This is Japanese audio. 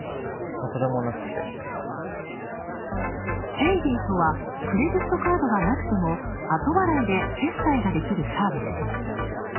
ペイディとは、クレジットカードがなくても後払い決済で決済ができるサービスです。